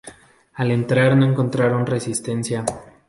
Al entrar no encontraron resistencia.